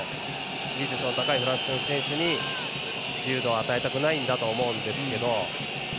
技術の高いフランスの選手に自由度を与えたくないんだと思うんですけど。